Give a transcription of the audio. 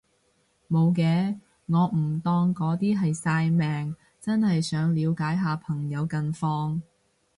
無嘅，我唔當嗰啲係曬命，真係想了解下朋友近況